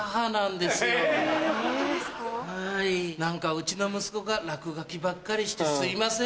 うちの息子が落書きばっかりしてすいません。